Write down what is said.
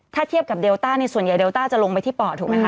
ถ้าเทียบกับเดลต้าส่วนใหญ่เลต้าจะลงไปที่ป่อถูกไหมค